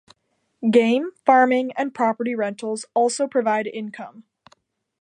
Game, farming and property rentals also provide income.